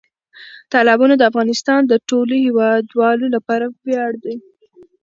تالابونه د افغانستان د ټولو هیوادوالو لپاره ویاړ دی.